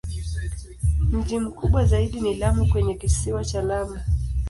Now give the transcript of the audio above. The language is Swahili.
Mji mkubwa zaidi ni Lamu kwenye Kisiwa cha Lamu.